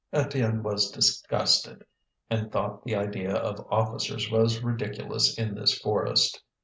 Étienne was disgusted, and thought the idea of officers was ridiculous in this forest.